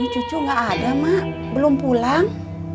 cucu nggak ada mak belum pulang